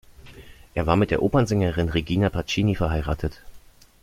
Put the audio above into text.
Er war mit der Opernsängerin Regina Pacini verheiratet.